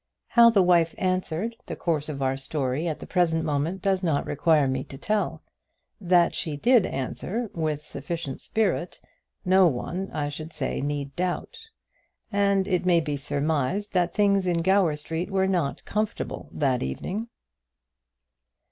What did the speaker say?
How the wife answered, the course of our story at the present moment does not require me to tell. That she did answer with sufficient spirit, no one, I should say, need doubt; and it may be surmised that things in Gower Street were not comfortable that evening.